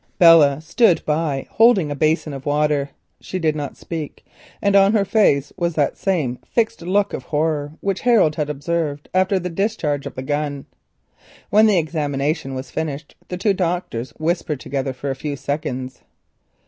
Belle stood by holding a basin of water. She did not speak, and on her face was that same fixed look of horror which Harold had observed after the discharge of the gun. When the examination was finished the two doctors whispered together for a few seconds.